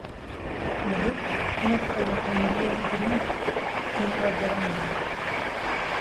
Li vir hinek taybetmendîyên girîng ên wergerandî hene.